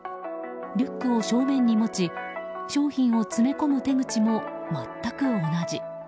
リュックを正面に持ち商品を詰め込む手口も全く同じ。